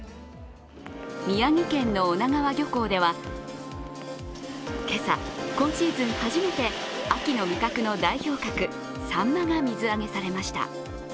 宮城県の女川漁港では今朝、今シーズン初めて秋の味覚の代表格・サンマが水揚げされました。